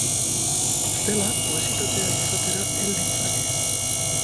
Bestela, obesitatea izatera hel ditzake.